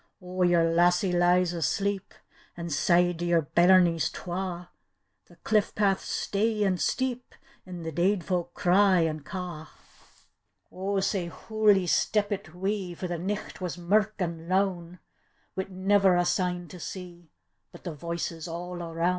"O your lassie lies asleep, An' sae do your bairncs twa; The diS path's stey and steep. An' the deid folk cry an' ca'." O sae hooly steppit we, For the nicht was mirk an' lown, Wi' never a sign to see, But the voices all aroun'.